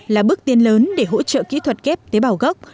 là bước tiên lớn để hỗ trợ kỹ thuật ghép tế bào gốc